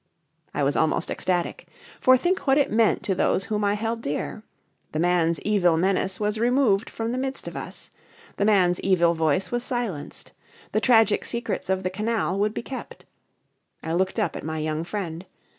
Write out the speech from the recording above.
I was almost ecstatic. For think what it meant to those whom I held dear. The man's evil menace was removed from the midst of us. The man's evil voice was silenced. The tragic secrets of the canal would be kept. I looked up at my young friend.